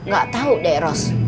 gak tau deh ros